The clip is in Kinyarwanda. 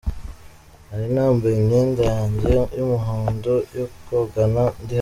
Nari nambaye imyenda yange y’umuhondo yo kogana ndi hafi ya pisine.